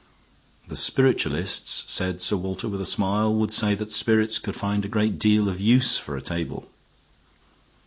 "The spiritualists," said Sir Walter, with a smile, "would say that spirits could find a great deal of use for a table."